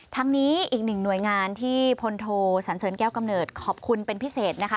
ทั้งนี้อีกหนึ่งหน่วยงานที่พลโทสันเสริญแก้วกำเนิดขอบคุณเป็นพิเศษนะคะ